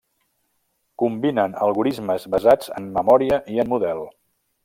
Combinen algorismes basats en memòria i en model.